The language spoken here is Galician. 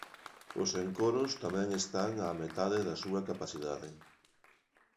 Os encoros tamén están á metade da súa capacidade.